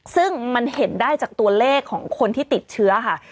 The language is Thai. ซึ่งมันเห็นได้จากตัวเลขของคนที่ติดเชื้อค่ะ